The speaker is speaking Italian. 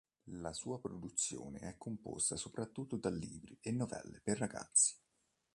La sua produzione è composta soprattutto da libri e novelle per ragazzi.